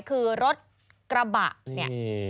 คือรถกระบะเนี่ย